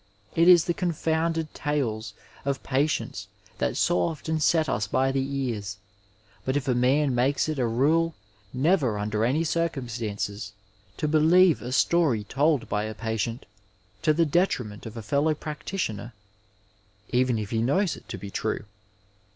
It is the confounded tales of patients that so often set us by the ears, but if a man makes it a rule never under any circumstances to believe a story told by a patient to the detriment of a fellow practitioner — even if he knows it to be true